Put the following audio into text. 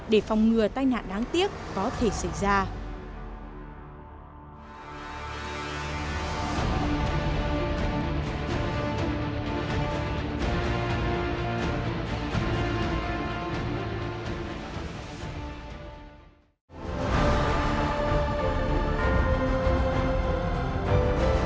để phòng ngừa tai nạn đáng tiếc có thể xảy ra